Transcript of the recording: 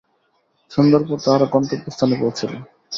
সন্ধ্যার পর তাহারা গন্তব্য স্থানে পৌঁছিল।